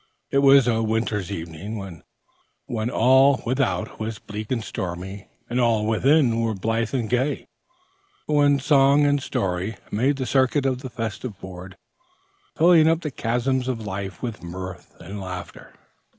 It was a winter's evening, when all without was bleak and stormy and all within were blithe and gay, when song and story made the circuit of the festive board, filling up the chasms of life with mirth and laughter.